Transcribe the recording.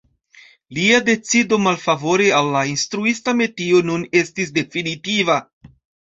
Lia decido malfavore al la instruista metio nun estis definitiva.